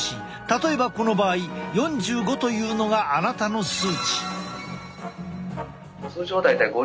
例えばこの場合４５というのがあなたの数値。